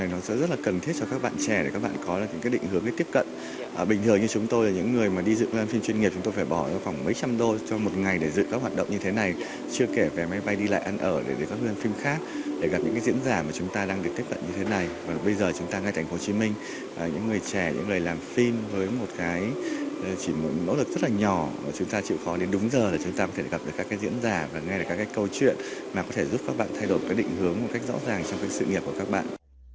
mà có thể giúp các bạn thay đổi các định hướng một cách rõ ràng trong các sự nghiệp của các bạn